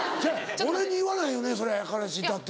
俺に言わないよね彼氏いたって。